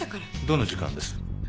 どの時間です？